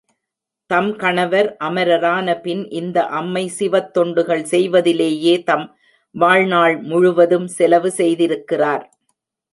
தம் கணவர் அமரரான பின் இந்த அம்மை சிவத்தொண்டுகள் செய்வதிலேயே தம் வாழ்நாள் முழுவதும் செலவு செய்திருக்கிறார்.